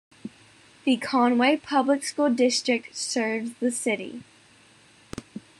The Conway Public School District serves the city.